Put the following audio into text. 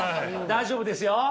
大丈夫ですよ！